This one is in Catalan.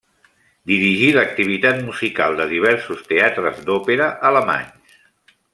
Dirigí l'activitat musical de diversos teatres d'òpera alemanys.